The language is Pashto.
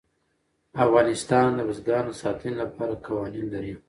افغانستان د بزګانو د ساتنې لپاره قوانین لري.